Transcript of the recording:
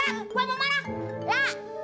gua mau marah